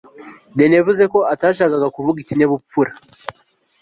denis yavuze ko atashakaga kuvuga ikinyabupfura